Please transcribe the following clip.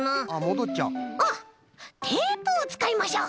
あっテープをつかいましょう！